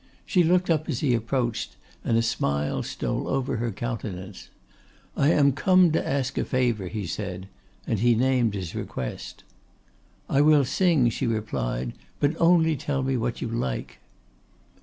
She looked up as he approached, and a smile stole over her countenance. 'I am come to ask a favour,' he said, and he named his request. 'I will sing,' she replied; 'but only tell me what you like.